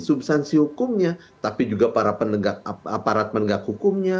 substansi hukumnya tapi juga para penegak aparat penegak hukumnya